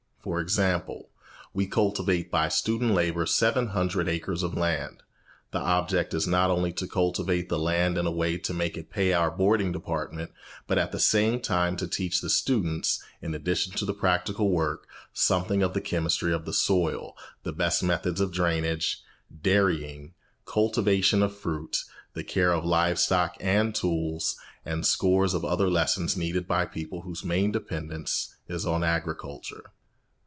For example, we cultivate by student labour seven hundred acres of land. The object is not only to cultivate the land in a way to make it pay our boarding department, but at the same time to teach the students, in addition to the practical work, something of the chemistry of the soil, the best methods of drainage, dairying, cultivation of fruit, the care of live stock and tools, and scores of other lessons needed by people whose main dependence is on agriculture.